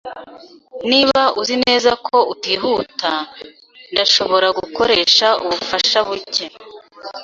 Niba uzi neza ko utihuta, ndashobora gukoresha ubufasha buke.